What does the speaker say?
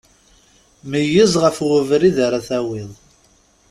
Meyyez ɣef webrid ara tawiḍ.